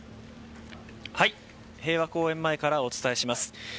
平和公園前からお伝えします。